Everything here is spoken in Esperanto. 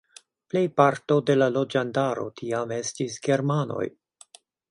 Plejparto de la loĝantaro tiam estis germanoj.